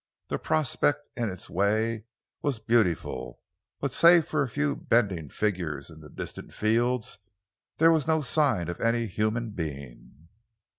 The prospect in its way was beautiful, but save for a few bending figures in the distant fields, there was no sign of any human being.